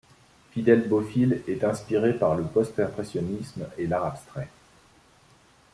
Fidel Bofill est inspiré par le postimpressionnisme et l'art abstrait.